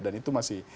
dan itu masih